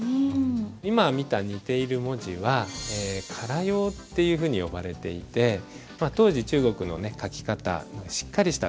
今見た似ている文字は唐様というふうに呼ばれていて当時中国のね書き方しっかりした骨格の字ですね。